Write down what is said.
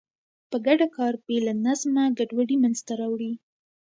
په ګډه کار بې له نظمه ګډوډي منځته راوړي.